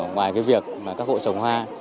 ngoài cái việc các hội trồng hoa